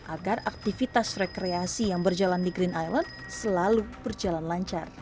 agar aktivitas rekreasi yang berjalan di green island selalu berjalan lancar